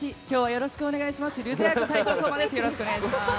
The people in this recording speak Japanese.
よろしくお願いします。